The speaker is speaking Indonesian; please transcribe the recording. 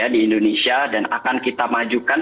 di indonesia dan akan kita majukan